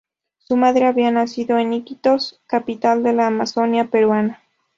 Su madre, había nacido en Iquitos, capital de la Amazonia peruana.